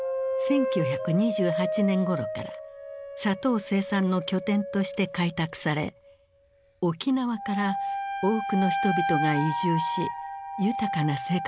１９２８年ごろから砂糖生産の拠点として開拓され沖縄から多くの人々が移住し豊かな生活を築いていた。